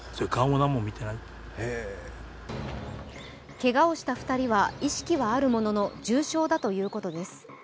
けがをした２人は意識はあるものの重傷だということです。